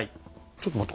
ちょっと待って。